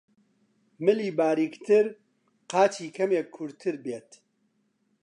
ملی باریکتر، قاچی کەمێک کورتتر بێت